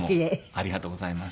ありがとうございます。